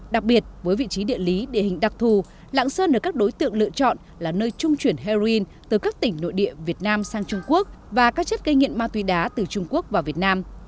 đặc biệt với vị trí địa lý địa hình đặc thù lạng sơn được các đối tượng lựa chọn là nơi trung chuyển heroin từ các tỉnh nội địa việt nam sang trung quốc và các chất gây nghiện ma túy đá từ trung quốc vào việt nam